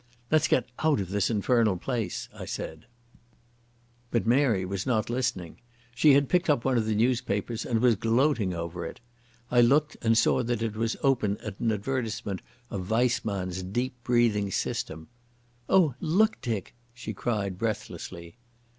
"Let's get out of this infernal place," I said. But Mary was not listening. She had picked up one of the newspapers and was gloating over it. I looked and saw that it was open at an advertisement of Weissmann's "Deep breathing" system. "Oh, look, Dick," she cried breathlessly.